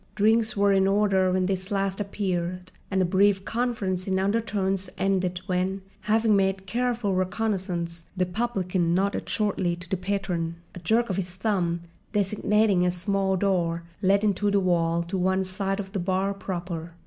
Drinks were in order when this last appeared; and a brief conference in undertones ended when, having made careful reconnaissance, the publican nodded shortly to the patron, a jerk of his thumb designating a small door let into the wall to one side of the bar proper.